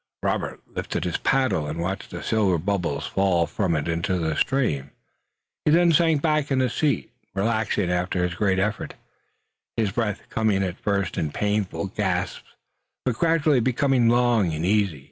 Robert lifted his paddle and watched the silver bubbles fall from it into the stream. Then he sank back in his seat, relaxing after his great effort, his breath coming at first in painful gasps, but gradually becoming long and easy.